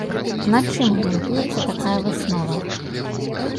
На чым грунтуецца такая выснова?